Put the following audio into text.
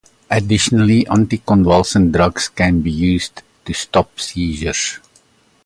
Additionally, anticonvulsant drugs can be used to stop seizures.